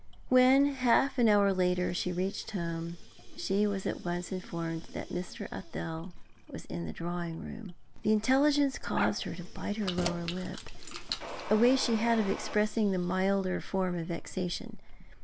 When, half an hour later, she reached home, she was at once informed that Mr. Athel was in the drawing room. The intelligence caused her to bite her lower lip, a way she had of expressing the milder form of vexation.